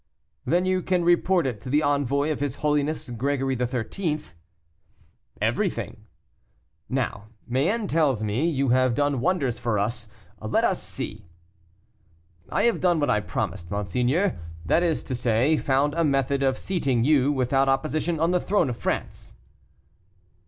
"Then you can report it to the envoy of his Holiness Gregory XIII.?" "Everything." "Now, Mayenne tells me you have done wonders for us; let us see." "I have done what I promised, monseigneur; that is to say, found a method of seating you, without opposition, on the throne of France!"